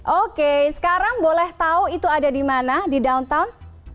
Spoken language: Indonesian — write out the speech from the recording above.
oke sekarang boleh tahu itu ada di mana di down town